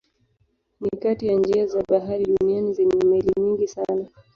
Ni kati ya njia za bahari duniani zenye meli nyingi sana.